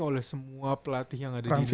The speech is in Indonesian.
oleh semua pelatih yang ada di indonesia